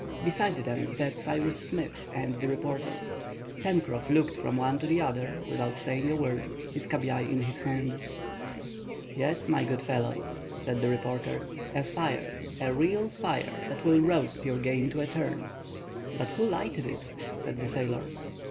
Beside them sat Cyrus Smith and the reporter. Pencroff looked from one to the other without saying a word, his cabiai in his hand. "Yes, my good fellow," said the reporter, "a fire, a real fire, that will roast your game to a turn." "But who lighted it?" said the sailor.